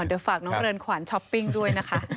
เดี๋ยวฝากน้องเรือนขวานช้อปปิ้งด้วยนะคะ